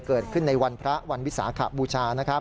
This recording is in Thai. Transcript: เกิดขึ้นในวันพระวันวิสาขบูชานะครับ